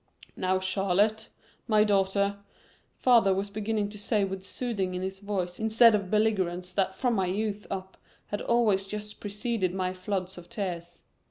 "Now, Charlotte, my daughter," father was beginning to say with soothing in his voice instead of the belligerence that from my youth up had always just preceded my floods of tears.